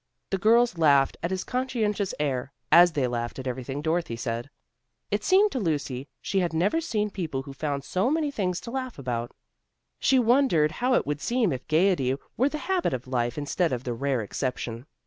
The girls laughed at his conscientious air as they laughed at everything Dorothy said. It seemed to Lucy she had never seen people who found so many things to laugh about. She wondered how it would seem if gaiety were the habit of life instead of the rare exception.